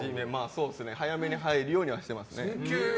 早めに入るようにはしてます。